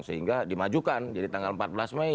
sehingga dimajukan jadi tanggal empat belas mei